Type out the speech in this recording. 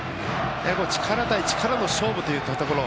力対力の勝負といったところ。